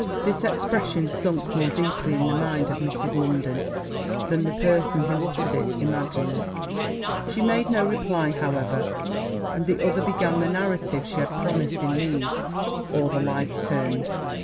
This expression sunk more deeply in the mind of Mrs. Munden than the person who uttered it imagined: she made no reply, however; and the other began the narrative she had promised in these or the like terms.